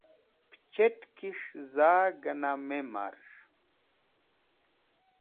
Pẽ chet̃kish za gẽna me marz̃h.